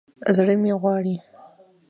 زړه مې غواړي